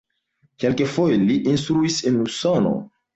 Kelkfoje li instruis en Usono.